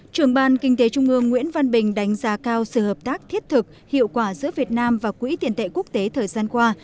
trưởng ban kinh tế trung ương nguyễn văn bình đánh giá cao sự hợp tác thiết thực hiệu quả giữa việt nam và quỹ tiền tệ quốc tế thời gian qua